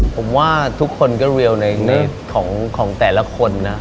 ผมว่าทุกคนก็เรียวในของแต่ละคนนะ